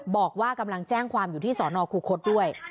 บอกว่ากำลังแจ้งความอยู่ที่สอนอคูคศด้วย